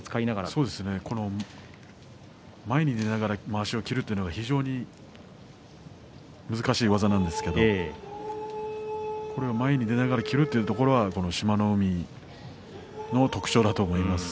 そうですね前に出ながらまわしを切るというのが非常に難しい技なんですけれども前に出ながら切るというところが志摩ノ海の特徴だと思います。